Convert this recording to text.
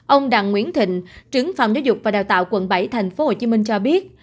ông đặng nguyễn thịnh trưởng phòng giáo dục và đào tạo quận bảy tp hcm cho biết